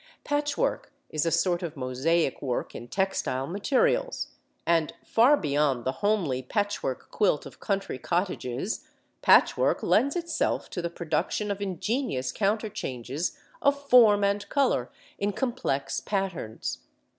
Patchwork is a sort of mosaic work in textile materials; and, far beyond the homely patchwork quilt of country cottages, patchwork lends itself to the production of ingenious counterchanges of form and colour in complex patterns.